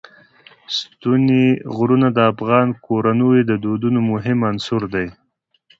ستوني غرونه د افغان کورنیو د دودونو مهم عنصر دی.